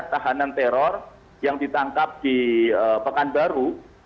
tahanan teror yang ditangkap di pekanbaru